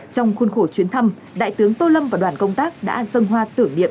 trong khuôn khổ chuyến thăm đại tướng tô lâm và đoàn công tác đã dâng hoa tưởng điệm